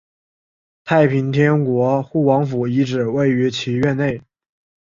太平天国护王府遗址位于其院区内。